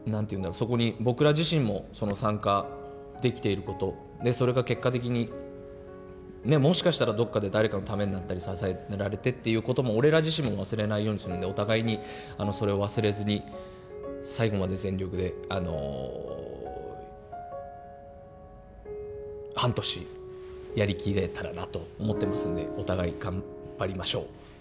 そこに僕ら自身も参加できていることそれが結果的にもしかしたらどこかで誰かのためになったり支えられてっていうことも俺ら自身も忘れないようにするんでお互いにそれを忘れずに最後まで全力であの半年やり切れたらなと思ってますのでお互い頑張りましょう。